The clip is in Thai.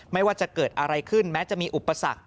ไม่ว่าจะเกิดอะไรขึ้นแม้จะมีอุปสรรค